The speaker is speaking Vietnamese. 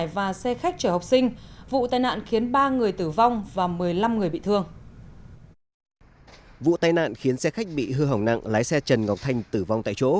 vụ tai nạn khiến xe khách bị hư hỏng nặng lái xe trần ngọc thanh tử vong tại chỗ